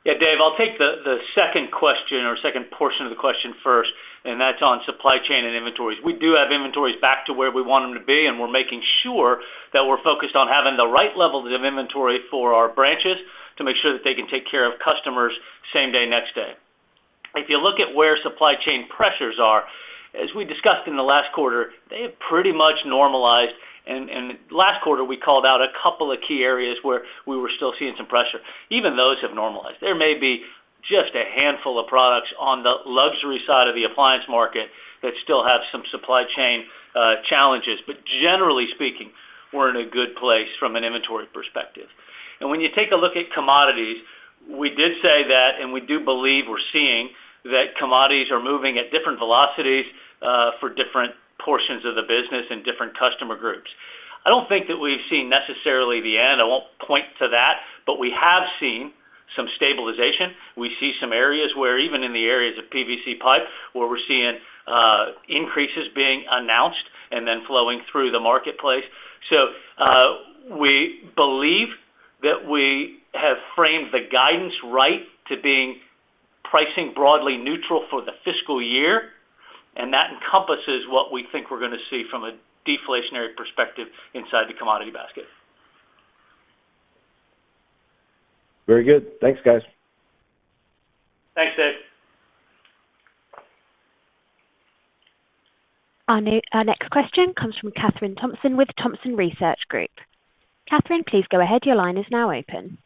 Yeah, David, I'll take the second question or second portion of the question first, and that's on supply chain and inventories. We do have inventories back to where we want them to be, and we're making sure that we're focused on having the right levels of inventory for our branches to make sure that they can take care of customers same day, next day. If you look at where supply chain pressures are, as we discussed in the last quarter, they have pretty much normalized, and last quarter, we called out a couple of key areas where we were still seeing some pressure. Even those have normalized. There may be just a handful of products on the luxury side of the appliance market that still have some supply chain challenges, but generally speaking, we're in a good place from an inventory perspective. When you take a look at commodities, we did say that, and we do believe we're seeing that commodities are moving at different velocities for different portions of the business and different customer groups. I don't think that we've seen necessarily the end. I won't point to that, but we have seen some stabilization. We see some areas where even in the areas of PVC pipe, where we're seeing increases being announced and then flowing through the marketplace. So, we believe that we have framed the guidance right to being pricing broadly neutral for the fiscal year, and that encompasses what we think we're going to see from a deflationary perspective inside the commodity basket. Very good. Thanks, guys. Thanks, David Our next question comes from Kathryn Thompson with Thompson Research Group. Kathryn, please go ahead. Your line is now open.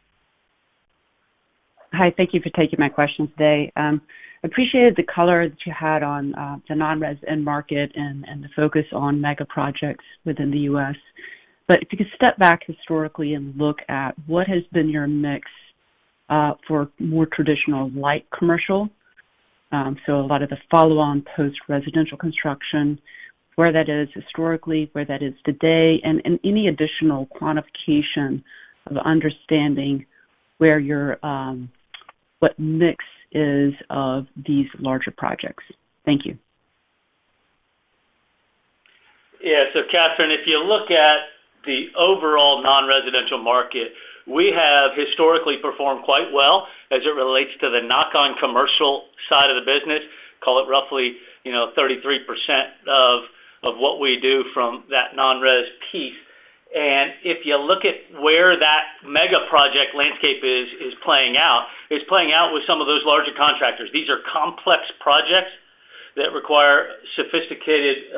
Hi, thank you for taking my question today. Appreciated the color that you had on the non-res end market and the focus on Mega Projects within the U.S. But if you could step back historically and look at what has been your mix for more traditional light commercial, so a lot of the follow-on post-residential construction, where that is historically, where that is today, and any additional quantification of understanding where your what mix is of these larger projects. Thank you. Yeah. So, Kathryn, if you look at the overall non-residential market, we have historically performed quite well as it relates to the knock-on commercial side of the business, call it roughly, you know, 33% of, of what we do from that non-res piece. And if you look at where that mega project landscape is, is playing out, it's playing out with some of those larger contractors. These are complex projects that require sophisticated,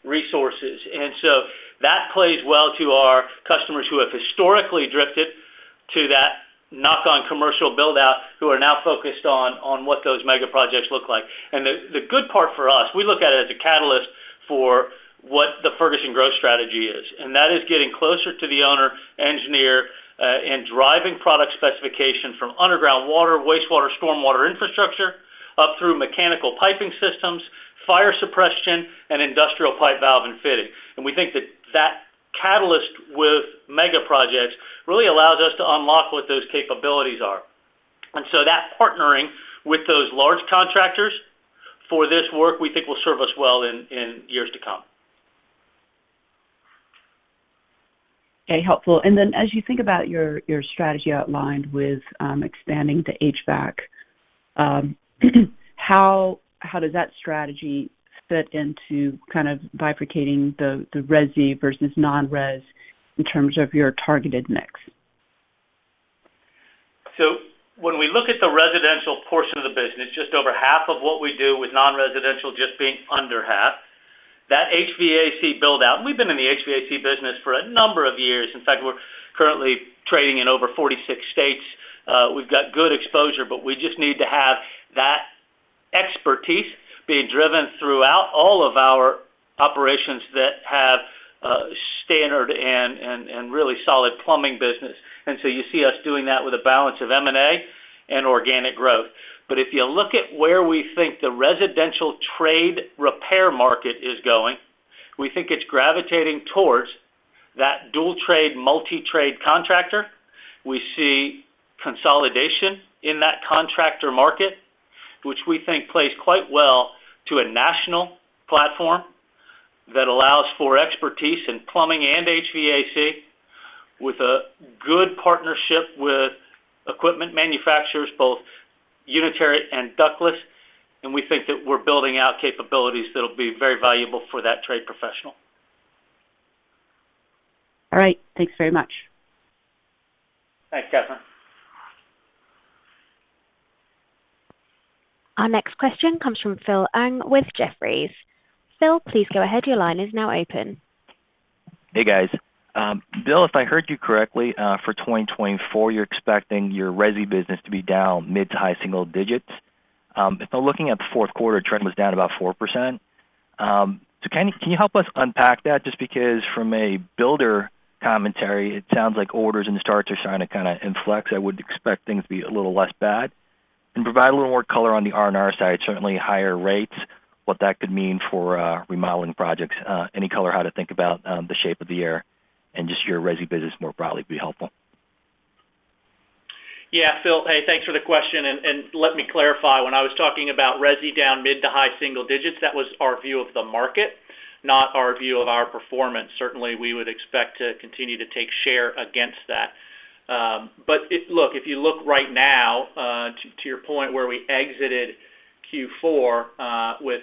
resources. And so that plays well to our customers who have historically drifted to that knock-on commercial build-out, who are now focused on, on what those mega projects look like. And the, the good part for us, we look at it as a catalyst for what the Ferguson growth strategy is, and that is getting closer to the owner, engineer, and driving product specification from underground water, wastewater, storm water infrastructure, up through mechanical piping systems, fire suppression and industrial pipe, valve, and fitting. And we think that that catalyst with mega projects really allows us to unlock what those capabilities are. And so that partnering with those large contractors for this work-... Okay, helpful. And then as you think about your, your strategy outlined with expanding the HVAC, how, how does that strategy fit into kind of bifurcating the, the res versus non-res in terms of your targeted mix? So when we look at the residential portion of the business, just over half of what we do with non-residential, just being under half, that HVAC build-out, and we've been in the HVAC business for a number of years. In fact, we're currently trading in over 46 states. We've got good exposure, but we just need to have that expertise being driven throughout all of our operations that have standard and really solid plumbing business. And so you see us doing that with a balance of M&A and organic growth. But if you look at where we think the residential trade repair market is going, we think it's gravitating towards that dual trade, multi-trade contractor. We see consolidation in that contractor market, which we think plays quite well to a national platform that allows for expertise in plumbing and HVAC, with a good partnership with equipment manufacturers, both unitary and ductless. And we think that we're building out capabilities that'll be very valuable for that trade professional. All right. Thanks very much. Thanks, Kathryn. Our next question comes from Phil Ng with Jefferies. Phil, please go ahead. Your line is now open. Hey, guys. Bill, if I heard you correctly, for 2024, you're expecting your resi business to be down mid- to high-single digits. If I'm looking at the Q4, trend was down about 4%. So can you, can you help us unpack that? Just because from a builder commentary, it sounds like orders and the starts are starting to kind of inflect. I would expect things to be a little less bad. And provide a little more color on the R&R side, certainly higher rates, what that could mean for remodeling projects. Any color, how to think about the shape of the year and just your resi business more broadly would be helpful. Yeah, Phil, hey, thanks for the question, and let me clarify. When I was talking about resi down mid to high single digits, that was our view of the market, not our view of our performance. Certainly, we would expect to continue to take share against that. But if you look right now, to your point where we exited Q4, with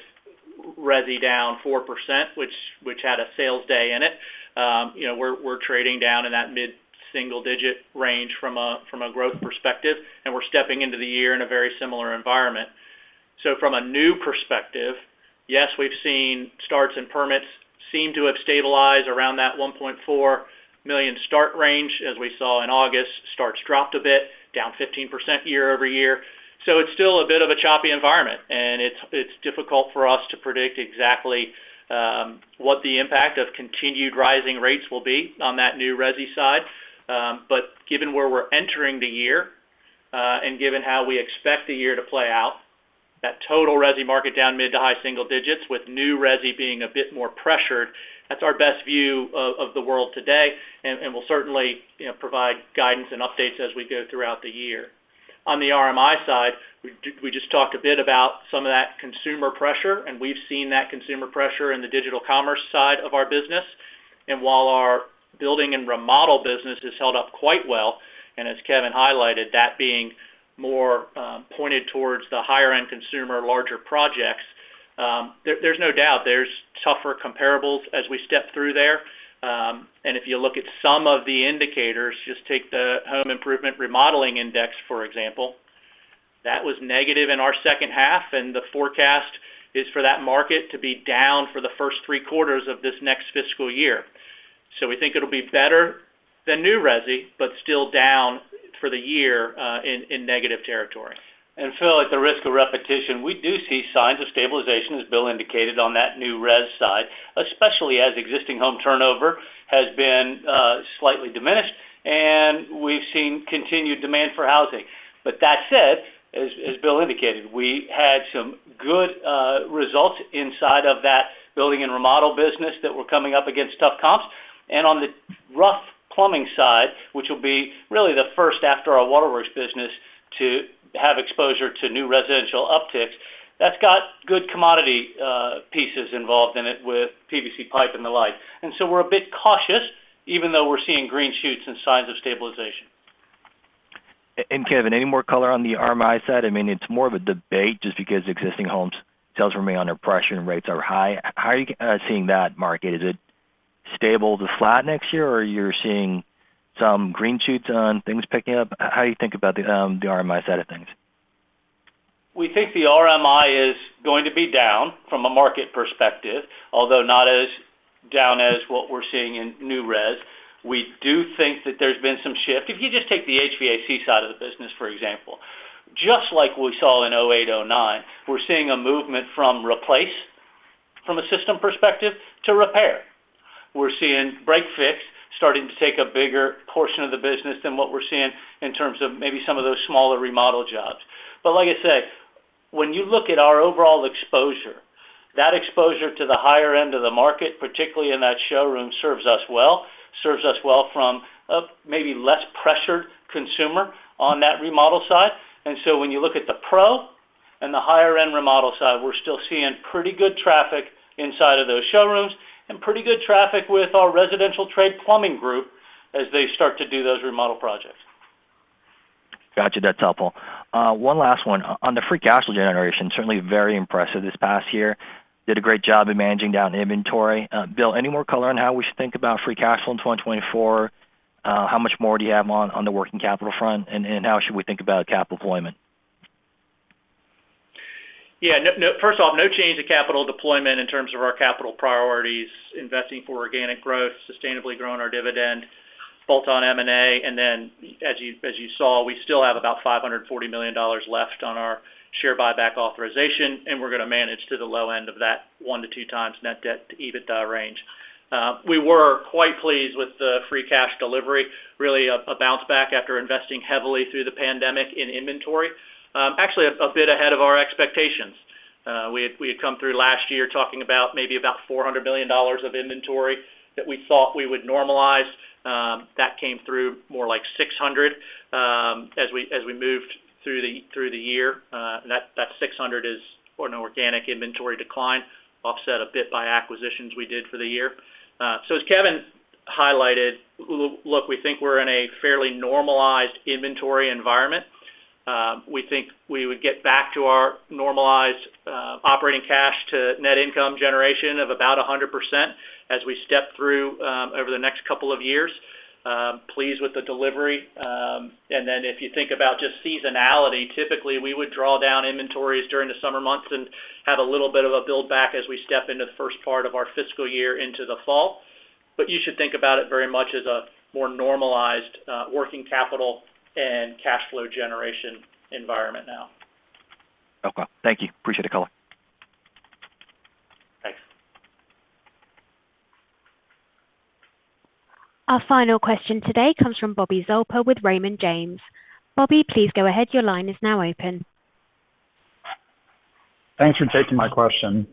resi down 4%, which had a sales day in it, you know, we're trading down in that mid-single digit range from a growth perspective, and we're stepping into the year in a very similar environment. So from a new perspective, yes, we've seen starts and permits seem to have stabilized around that 1.4 million start range, as we saw in August. Starts dropped a bit, down 15% year-over-year. So it's still a bit of a choppy environment, and it's, it's difficult for us to predict exactly what the impact of continued rising rates will be on that new resi side. But given where we're entering the year, and given how we expect the year to play out, that total resi market down mid- to high-single digits, with new resi being a bit more pressured, that's our best view of, of the world today, and, and we'll certainly, you know, provide guidance and updates as we go throughout the year. On the RMI side, we just talked a bit about some of that consumer pressure, and we've seen that consumer pressure in the digital commerce side of our business. While our building and remodel business has held up quite well, and as Kevin highlighted, that being more pointed towards the higher-end consumer, larger projects, there, there's no doubt there's tougher compareables as we step through there. If you look at some of the indicators, just take the home improvement remodeling index, for example, that was negative in our second half, and the forecast is for that market to be down for the first three quarters of this next fiscal year. We think it'll be better than new resi, but still down for the year, in negative territory. And Phil, at the risk of repetition, we do see signs of stabilization, as Bill indicated, on that new res side, especially as existing home turnover has been slightly diminished, and we've seen continued demand for housing. But that said, as Bill indicated, we had some good results inside of that building and remodel business that were coming up against tough comps. And on the rough plumbing side, which will be really the first after our waterworks business to have exposure to new residential upticks, that's got good commodity pieces involved in it with PVC pipe and the like. And so we're a bit cautious, even though we're seeing green shoots and signs of stabilization. Kevin, any more color on the RMI side? I mean, it's more of a debate just because existing homes sales remain under pressure and rates are high. How are you seeing that market? Is it stable to flat next year, or you're seeing some green shoots on things picking up? How do you think about the RMI side of things? We think the RMI is going to be down from a market perspective, although not as down as what we're seeing in new res. We do think that there's been some shift. If you just take the HVAC side of the business, for example, just like we saw in 2008, 2009, we're seeing a movement from replace, from a system perspective, to repair. We're seeing break fix starting to take a bigger portion of the business than what we're seeing in terms of maybe some of those smaller remodel jobs. But like I said, when you look at our overall exposure, that exposure to the higher end of the market, particularly in that showroom, serves us well. Serves us well from a maybe less pressured consumer on that remodel side. And so when you look at the pro-... The higher end remodel side, we're still seeing pretty good traffic inside of those showrooms and pretty good traffic with our residential trade plumbing group as they start to do those remodel projects. Got you. That's helpful. One last one. On the free cash flow generation, certainly very impressive this past year. Did a great job in managing down inventory. Bill, any more color on how we should think about free cash flow in 2024? How much more do you have on the working capital front? And how should we think about capital deployment? Yeah, no, no—first off, no change to capital deployment in terms of our capital priorities, investing for organic growth, sustainably growing our dividend, both on M&A, and then as you saw, we still have about $540 million left on our share buyback authorization, and we're gonna manage to the low end of that 1-2 times net debt to EBITDA range. We were quite pleased with the free cash delivery. Really, a bounce back after investing heavily through the pandemic in inventory. Actually, a bit ahead of our expectations. We had come through last year talking about maybe about $400 million of inventory that we thought we would normalize. That came through more like 600, as we moved through the year. That 600 is for an organic inventory decline, offset a bit by acquisitions we did for the year. So as Kevin highlighted, look, we think we're in a fairly normalized inventory environment. We think we would get back to our normalized operating cash to net income generation of about 100% as we step through over the next couple of years. Pleased with the delivery. And then if you think about just seasonality, typically, we would draw down inventories during the summer months and have a little bit of a build back as we step into the first part of our fiscal year into the fall. But you should think about it very much as a more normalized working capital and cash flow generation environment now. Okay. Thank you. Appreciate the call. Thanks. Our final question today comes from Bobby Zolper with Raymond James. Bobby, please go ahead. Your line is now open. Thanks for taking my question.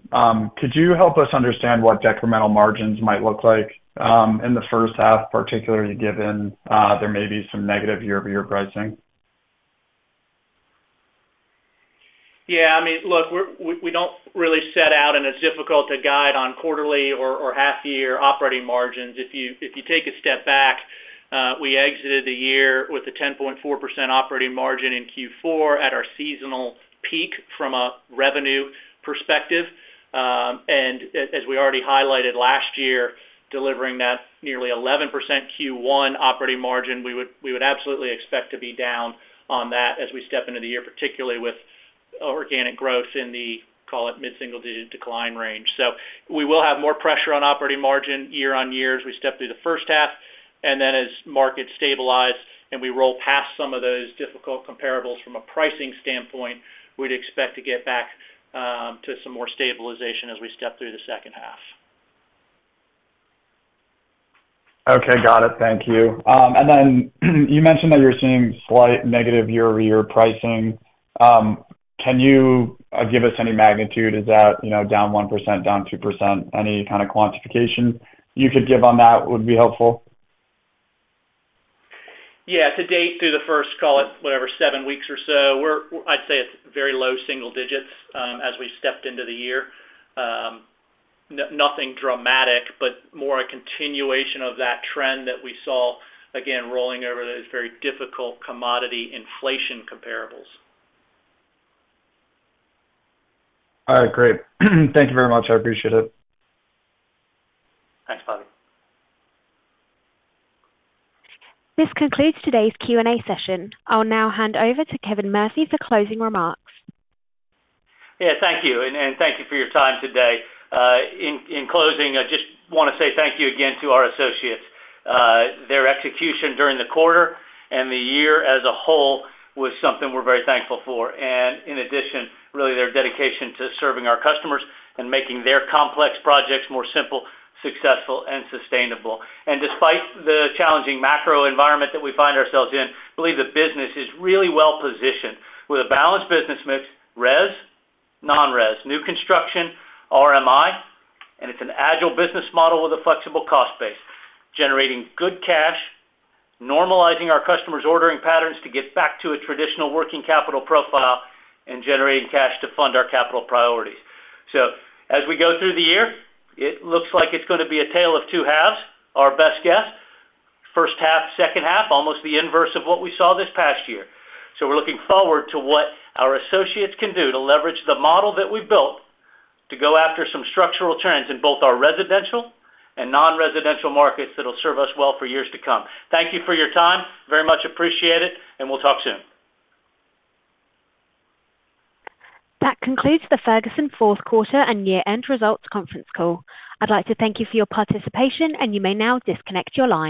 Could you help us understand what decremental margins might look like in the H1, particularly given there may be some negative year-over-year pricing? Yeah, I mean, look, we're-- we, we don't really set out, and it's difficult to guide on quarterly or, or half year operating margins. If you, if you take a step back, we exited the year with a 10.4% operating margin in Q4 at our seasonal peak from a revenue perspective. And as, as we already highlighted last year, delivering that nearly 11% Q1 operating margin, we would, we would absolutely expect to be down on that as we step into the year, particularly with organic growth in the, call it, mid-single-digit decline range. So we will have more pressure on operating margin year-on-year as we step through the first half, and then as markets stabilize and we roll past some of those difficult compareables from a pricing standpoint, we'd expect to get back to some more stabilization as we step through the second half. Okay, got it. Thank you. And then, you mentioned that you're seeing slight negative year-over-year pricing. Can you give us any magnitude? Is that, you know, down 1%, down 2%? Any kind of quantification you could give on that would be helpful. Yeah, to date, through the first, call it, whatever, seven weeks or so, we're. I'd say it's very low single digits as we stepped into the year. Nothing dramatic, but more a continuation of that trend that we saw, again, rolling over those very difficult commodity inflation compareables. All right, great. Thank you very much. I appreciate it. Thanks, Bobby. This concludes today's Q&A session. I'll now hand over to Kevin Murphy for closing remarks. Yeah, thank you, and thank you for your time today. In closing, I just wanna say thank you again to our associates. Their execution during the quarter and the year as a whole was something we're very thankful for, and in addition, really, their dedication to serving our customers and making their complex projects more simple, successful, and sustainable. And despite the challenging macro environment that we find ourselves in, believe the business is really well positioned with a balanced business mix, res, non-res, new construction, RMI, and it's an agile business model with a flexible cost base, generating good cash, normalizing our customers' ordering patterns to get back to a traditional working capital profile and generating cash to fund our capital priorities. So as we go through the year, it looks like it's gonna be a tale of two halves, our best guess. H1, H2, almost the inverse of what we saw this past year. So we're looking forward to what our associates can do to leverage the model that we've built to go after some structural trends in both our residential and non-residential markets that will serve us well for years to come. Thank you for your time. Very much appreciate it, and we'll talk soon. That concludes the Ferguson Q4 and year-end results conference call. I'd like to thank you for your participation, and you may now disconnect your line.